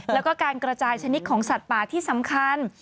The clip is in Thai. แล้วก็การกระจายชนิดของสัตว์ป่าที่สำคัญ